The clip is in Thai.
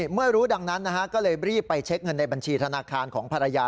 เมื่อรู้ดังนั้นก็เลยรีบไปเช็คเงินในบัญชีธนาคารของภรรยา